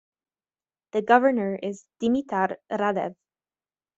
The governor is Dimitar Radev.